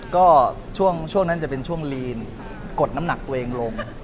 เพราะว่าช่วงช่วงนั้นจะเป็นช่วงลีนกดน้ำหนักตัวเองลง